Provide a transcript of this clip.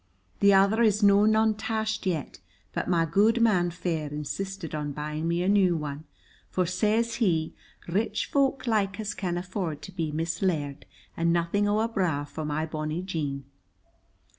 The other is no none tashed yet, but my gudeman fair insisted on buying a new one, for says he 'Rich folk like as can afford to be mislaird, and nothing's ower braw for my bonny Jean.'